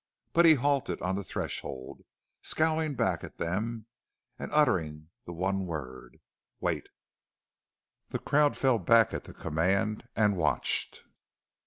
But he halted on the threshold, scowling back at them and uttering the one word: "Wait!" The crowd fell back at the command and watched.